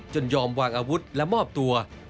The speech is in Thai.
ยอมวางอาวุธและมอบตัว